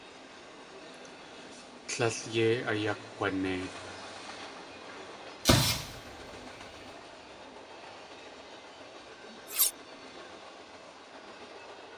Tlél yei ayakg̲wanei.